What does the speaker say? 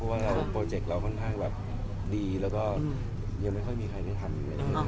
เพราะว่าเราโปรเจกต์เราค่อนข้างแบบดีแล้วก็ยังไม่ค่อยมีใครได้ทำ